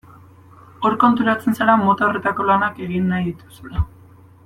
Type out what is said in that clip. Hor konturatzen zara mota horretako lanak egin nahi dituzula.